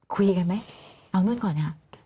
คุยกันไหมเอานู้นก่อนนะครับ